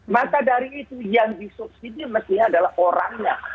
maka dari itu yang disubsidi mestinya adalah orangnya